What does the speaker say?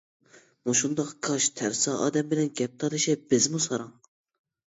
مۇشۇنداق كاج، تەرسا ئادەم بىلەن گەپ تالىشىپ بىزمۇ ساراڭ.